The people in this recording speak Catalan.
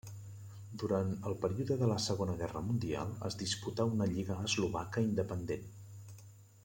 Durant el període de la Segona Guerra Mundial es disputà una lliga eslovaca independent.